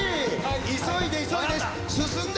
急いで急いで。